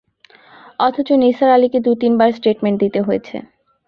অথচ নিসার আলিকে দুতিন বার স্টেটমেন্ট দিতে হয়েছে।